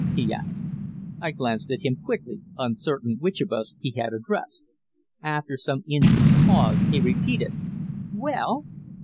he asked. I glanced at him quickly, uncertain which of us he had addressed. After some instants' pause he repeated: "Well?"